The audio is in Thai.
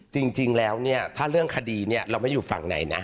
จริงแล้วเนี่ยถ้าเรื่องคดีเนี่ยเราไม่อยู่ฝั่งไหนนะ